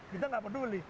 kita nggak peduli